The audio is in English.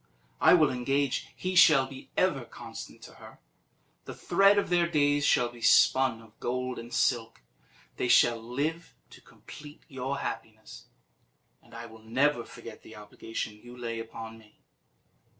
I will engage he shall be ever constant to her; the thread of their days shall be spun of gold and silk; they shall live to complete your happiness; and I will never forget the obligation you lay upon me."